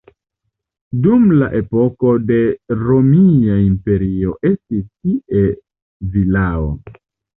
Dum la epoko de Romia Imperio estis tie vilao.